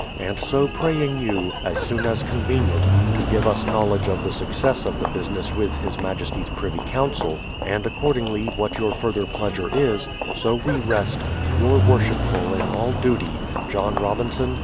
And so praying you, as soon as con venient, to give us knowledge of the success of the business with his majesty's Privy Council, and accordingly what your further pleasure is, so we rest, Your worshipful in all duty, JOHN ROBINSON.